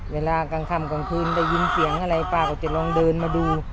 เวลากลางค่ำกลางคืนได้ยินเสียงอะไรป้าก็จะลองเดินมาดู